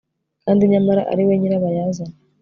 kandi nyamara ariwe nyirabayazana